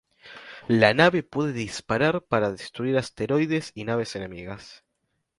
La nave puede disparar para destruir asteroides y naves enemigas.